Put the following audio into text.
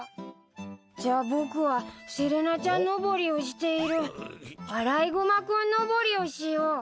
じゃあ僕はセレナちゃん登りをしているアライグマ君登りをしよう。